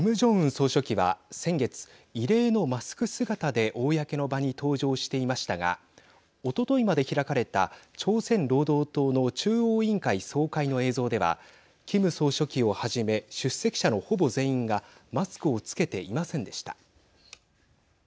総書記は、先月異例のマスク姿で公の場に登場していましたがおとといまで開かれた朝鮮労働党の中央委員会総会の映像ではキム総書記をはじめ出席者のほぼ全員がマスクをつけていませんでした。